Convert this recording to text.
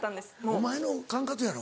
お前の管轄やろ。